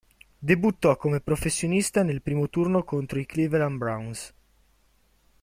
Debuttò come professionista nel primo turno contro i Cleveland Browns.